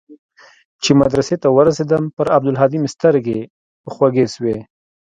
چې مدرسې ته ورسېدم پر عبدالهادي مې سترګې خوږې سوې.